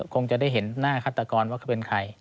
คงจะได้เห็นหน้าฆาตกรว่าเขาเป็นใคร